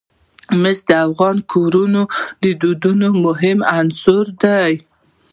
مس د افغان کورنیو د دودونو مهم عنصر دی.